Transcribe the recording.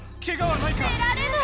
出られない！